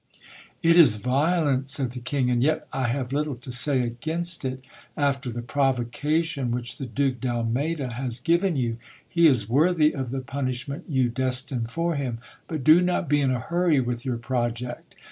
It is violent, said the King : and yet I have little to say against it, after the provocation which the Duke d'Almeyda has given you. He is worthy of the punishment you destine for him. But do not be in a hurry with your project.